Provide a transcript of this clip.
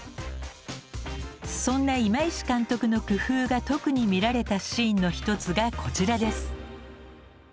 そんな今石監督の工夫が特に見られたシーンの一つがこちらです。